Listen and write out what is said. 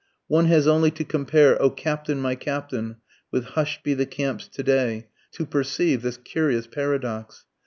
One has only to compare "O Captain! my Captain!" with "Hushed be the Camps To day" to perceive this curious paradox.